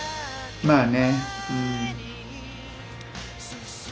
まあね。